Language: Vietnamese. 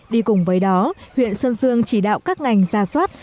đi cùng với đó huyện sơn dương chỉ đạo các ngành ra soát